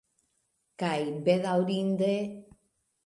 Kaj, bedaŭrinde...